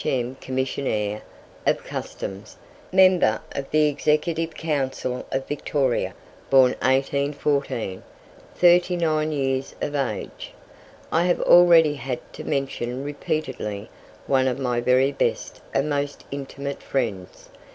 M. Commissioner of Customs, Member of the Executive Council of Victoria, born 1814. 39 years of age." I have already had to mention repeatedly one of my very best and most intimate friends.